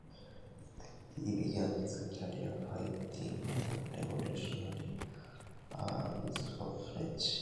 He began his career fighting the revolutionary armies of France.